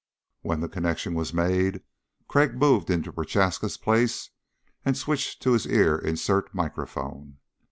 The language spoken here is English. When the connection was made, Crag moved into Prochaska's place and switched to his ear insert microphone.